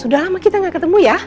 sudah lama kita gak ketemu ya